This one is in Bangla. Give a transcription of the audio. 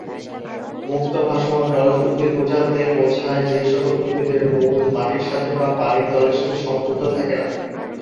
মুক্ত ভাসমান জলজ উদ্ভিদ বলতে বোঝায় যেসকল উদ্ভিদের মূল মাটির সাথে বা পানির তলের সাথে সংযুক্ত থাকেনা।